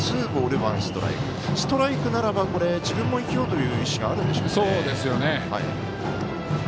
ストライクならば自分も生きようという意思があるんでしょう。